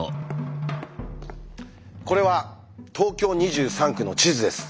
これは東京２３区の地図です。